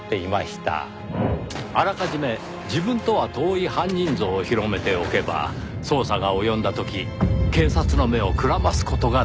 あらかじめ自分とは遠い犯人像を広めておけば捜査が及んだ時警察の目をくらます事ができる。